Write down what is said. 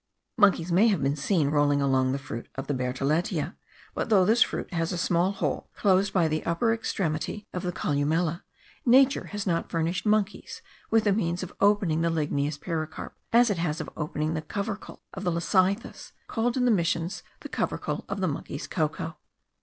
Monkeys may have been seen rolling along the fruit of the bertholletia, but though this fruit has a small hole closed by the upper extremity of the columella, nature has not furnished monkeys with the means of opening the ligneous pericarp, as it has of opening the covercle of the lecythis, called in the missions the covercle of the monkeys' cocoa.